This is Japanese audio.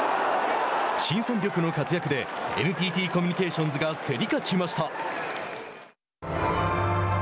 新戦力の活躍でＮＴＴコミュニケーションズが競り勝ちました。